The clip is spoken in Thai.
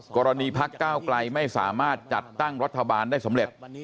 พักก้าวไกลไม่สามารถจัดตั้งรัฐบาลได้สำเร็จ